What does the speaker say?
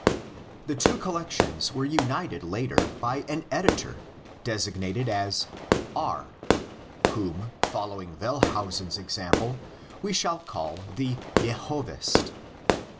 The two collections were united later by an editor designated as R™, whom, following Wellhausen's example, we shall call the "Jehovist."